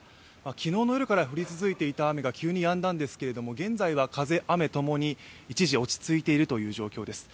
昨日の夜から降り続いていた雨が急にやんだんですけれども現在は風雨共に、一時、落ち着いているという状況です。